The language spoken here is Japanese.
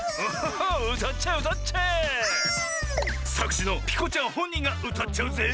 さくしのピコちゃんほんにんがうたっちゃうぜ！